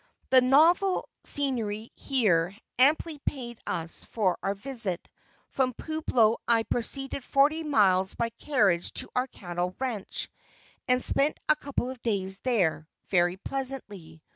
The novel scenery here amply paid us for our visit. From Pueblo I proceeded forty miles by carriage to our cattle ranche, and spent a couple of days there very pleasantly.